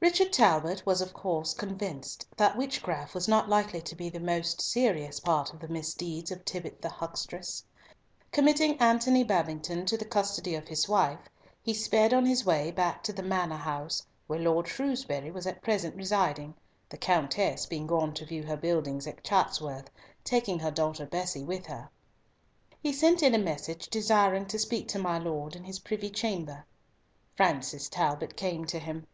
Richard Talbot was of course convinced that witchcraft was not likely to be the most serious part of the misdeeds of Tibbott the huckstress. Committing Antony Babington to the custody of his wife, he sped on his way back to the Manor house, where Lord Shrewsbury was at present residing, the Countess being gone to view her buildings at Chatsworth, taking her daughter Bessie with her. He sent in a message desiring to speak to my lord in his privy chamber. Francis Talbot came to him.